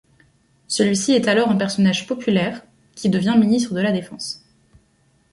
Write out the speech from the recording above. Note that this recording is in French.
Celui-ci est alors un personnage populaire, qui devient ministre de la Défense.